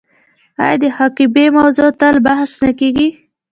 آیا د حقابې موضوع تل بحث نه کیږي؟